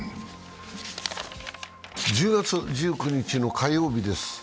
１０月１９日の火曜日です。